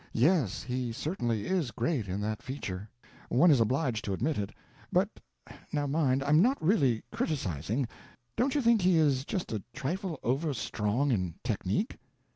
"Yes, he certainly is great in that feature, one is obliged to admit it; but—now mind, I'm not really criticising—don't you think he is just a trifle overstrong in technique?"